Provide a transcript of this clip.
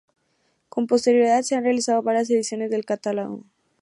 Con posterioridad se han realizado varias ediciones del catálogo.